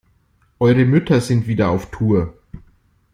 Eure Mütter sind wieder auf Tour.